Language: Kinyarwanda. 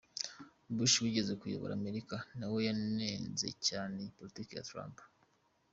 Bush wigeze kuyobora Amerika, nawe yanenze cyane iyi politiki ya Trump.